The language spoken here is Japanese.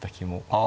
ああ。